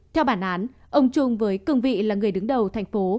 theo bản án ông trung với cương vị là người đứng đầu thành phố